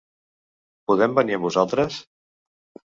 Podem venir amb vosaltres?